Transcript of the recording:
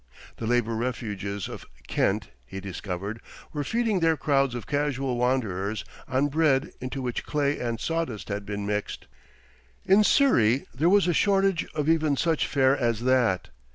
The labour refuges of Kent, he discovered, were feeding their crowds of casual wanderers on bread into which clay and sawdust had been mixed. In Surrey there was a shortage of even such fare as that.